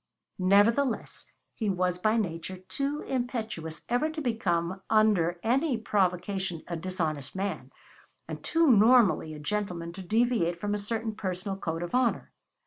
Nevertheless, he was by nature too impetuous ever to become under any provocation a dishonest man, and too normally a gentleman to deviate from a certain personal code of honor.